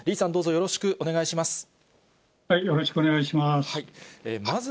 よろしくお願いします。